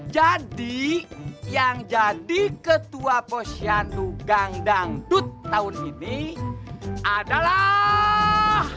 jadi yang jadi ketua posyandu gang dangdut tahun ini adalah